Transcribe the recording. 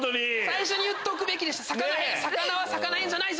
最初に言っておくべきでした。